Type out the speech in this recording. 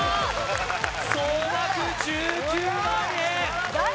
総額１９万円